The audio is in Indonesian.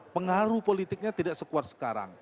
pengaruh politiknya tidak sekuat sekarang